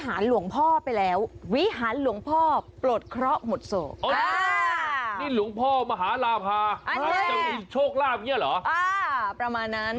อ่านี่หลวงพ่อมหาลาภาอันนี้โชคลาบเงี้ยเหรออ่าประมาณนั้น